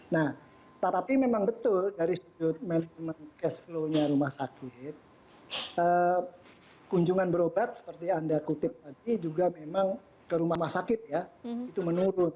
nah tetapi memang betul dari sudut management cash flow nya rumah sakit kunjungan berobat seperti anda kutip tadi juga memang ke rumah sakit ya itu menurun